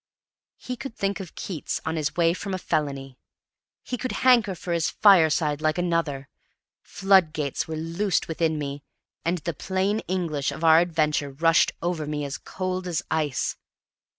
He could think of Keats on his way from a felony! He could hanker for his fireside like another! Floodgates were loosed within me, and the plain English of our adventure rushed over me as cold as ice.